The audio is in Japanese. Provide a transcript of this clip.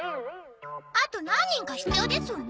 あと何人か必要ですわね。